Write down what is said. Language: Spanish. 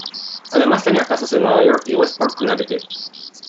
Además tenía casas en Nueva York y Westport, Connecticut.